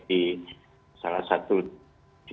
tadi saya juga dengar di daerah manajer